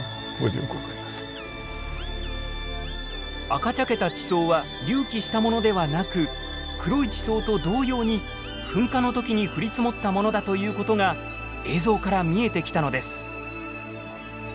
赤茶けた地層は隆起したものではなく黒い地層と同様に噴火の時に降り積もったものだということが映像から見えてきたのです。